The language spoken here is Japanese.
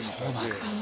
そうなんだ。